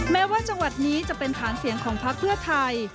แม้ว่าจังหวัดนี้จะเป็นฐานเสียงของพักเพื่อไทย